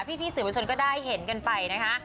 พี่สื่อประชนก็ได้เห็นกันไปนะคะ